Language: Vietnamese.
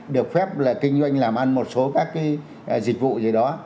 được phép là kinh doanh làm ăn một số các cái dịch vụ gì đó